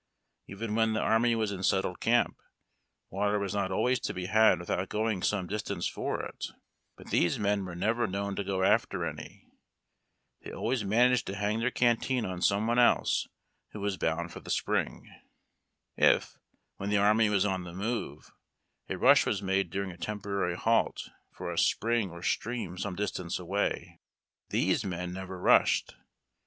Even when the army was in settled camp, water was not always to be had without going some distance for it ; but these men were never known to go after any. They always managed to hanof their canteen on some one else who was bound for the spring. If, when the army was on the move, a rush was made during a temporary halt, for a spring or stream some distance away, these men never rushed.